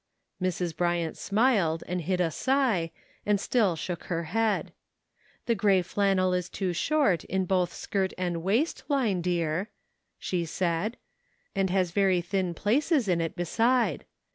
Mrs. Bryant smiled and hid a sigh, and still shook her head. " Tlie gray flannel is too short in both skirt and waist. Line dear," she said, "and has very thin places in it beside.